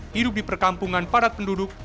hidup di perkampungan padat penduduk